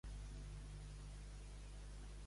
Prompte com una pólvora.